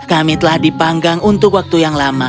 kami telah dipanggang untuk waktu yang lama